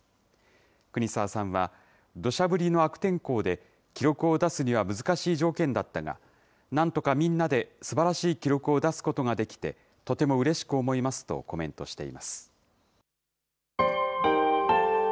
国沢さんはどしゃ降りの悪天候で記録を出すには難しい条件だったが、なんとかみんなですばらしい記録を出すことができて、とてもうれしく思いますとコメントしています。